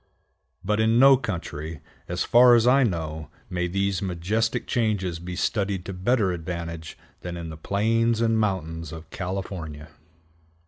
But in no country, as far as I know, may these majestic changes be studied to better advantage than in the plains and mountains of California.